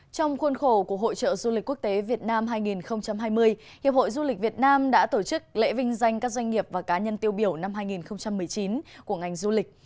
trong khuôn khổ của hội trợ du lịch quốc tế việt nam hai nghìn hai mươi hiệp hội du lịch việt nam đã tổ chức lễ vinh danh các doanh nghiệp và cá nhân tiêu biểu năm hai nghìn một mươi chín của ngành du lịch